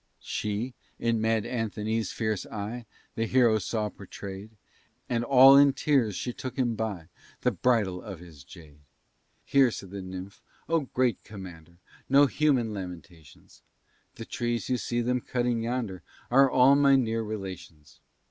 She, in Mad Anthony's fierce eye, The hero saw portray'd, And all in tears she took him by The bridle of his jade. "Hear," said the nymph, "oh, great commander! No human lamentations; The trees you see them cutting yonder, Are all my near relations.